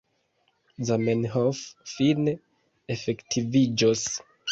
Zamenhof fine efektiviĝos.